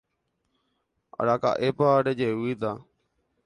Araka'épa rejevýta.